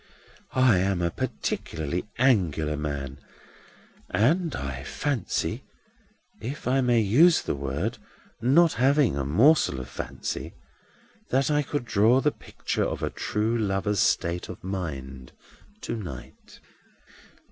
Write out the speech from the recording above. "I am a particularly Angular man, and yet I fancy (if I may use the word, not having a morsel of fancy), that I could draw a picture of a true lover's state of mind, to night."